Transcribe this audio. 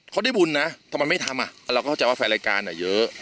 เขาได้บุญนะทำไมไม่ทำเราเข้าใจว่าแฟนรายการเยอะ